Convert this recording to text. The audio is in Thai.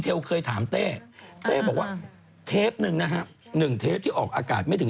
แต่เรื่อง